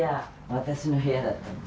私の部屋だったんです。